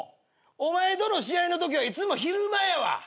お前との試合のときはいつも昼間やわ。